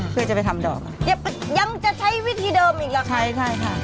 เพื่อจะไปทำดอกยังจะใช้วิธีเดิมอีกเหรอคะใช่ค่ะ